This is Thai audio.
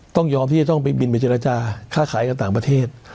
ต้องยอมที่จะต้องไปบินไปเจรจาค่าขายกับต่างประเทศ